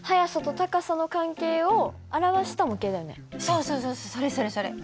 そうそうそうそれそれそれ。